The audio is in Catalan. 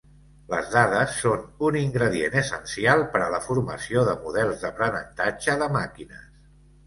Les dades són un ingredient essencial per a la formació de models d'aprenentatge de màquines.